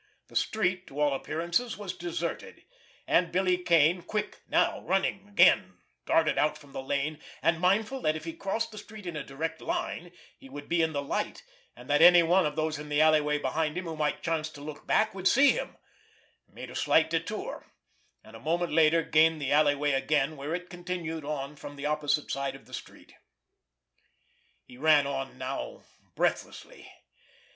The street, to all appearances, was deserted; and Billy Kane, quick now, running again, darted out from the lane; and, mindful that if he crossed the street in a direct line, he would be in the light, and that any one of those in the alleyway behind who might chance to look back would see him, made a slight detour, and a moment later gained the alleyway again where it continued on from the opposite side of the street. He ran on now breathlessly.